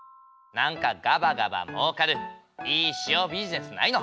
なんかガバガバもうかるいい塩ビジネスないの？